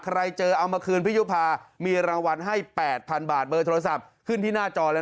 เขาเหมือนคนในครอบครัวเราแล้วรักเหมือนลูกใช่ไหม